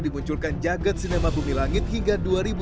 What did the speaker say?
dimunculkan jagad sinema bumi langit hingga dua ribu dua puluh